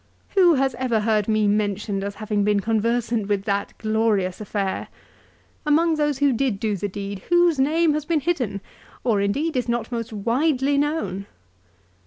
Who has ever heard me mentioned as having been conversant with that glorious affair ? Among those who did do the deed whose name has been hidden, or indeed is not most widely known